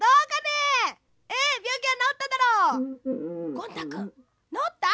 ゴン太くんなおった？